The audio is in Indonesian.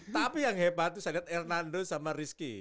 tapi yang hebat tuh saya lihat hernando sama rizky